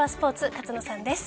勝野さんです。